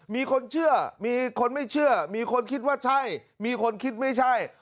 มีคนเชื่อมีคนไม่เชื่อมีคนคิดว่าใช่มีคนคิดไม่ใช่